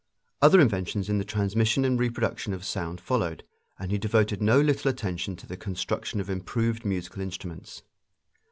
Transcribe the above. Other inventions in the transmission and reproduction of sound followed, and he devoted no little attention to the construction of improved musical instruments.